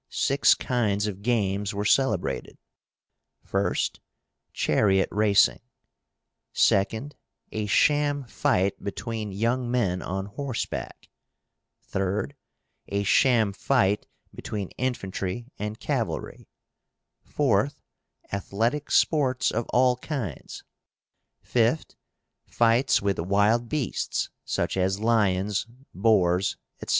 Six kinds of games were celebrated: 1st, chariot racing; 2d, a sham fight between young men on horseback; 3d, a sham fight between infantry and cavalry; 4th, athletic sports of all kinds; 5th, fights with wild beasts, such as lions, boars, etc.